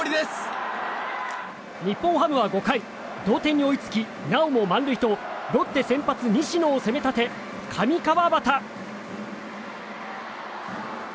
日本ハムは５回同点に追いつきなおも満塁とロッテ先発、西野を攻め立て上川畑。